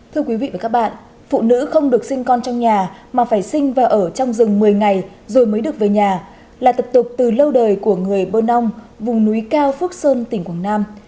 thưa quý vị và các bạn phụ nữ không được sinh con trong nhà mà phải sinh và ở trong rừng một mươi ngày rồi mới được về nhà là tập tục từ lâu đời của người bơ nông vùng núi cao phước sơn tỉnh quảng nam